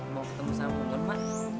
mau ketemu sama bu nur ma